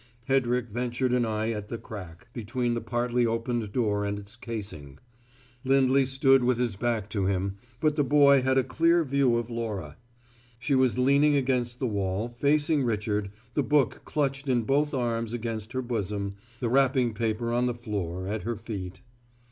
Hedrick ventured an eye at the crack, between the partly open door and its casing. Lindley stood with his back to him, but the boy had a clear view of Laura. She was leaning against the wall, facing Richard, the book clutched in both arms against her bosom, the wrapping paper on the floor at her feet.